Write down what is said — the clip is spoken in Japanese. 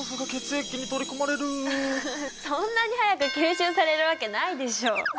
そんなに早く吸収されるわけないでしょ。